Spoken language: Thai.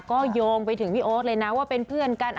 ก็โยงไปถึงพี่โอ๊ตเลยนะว่าเป็นเพื่อนกัน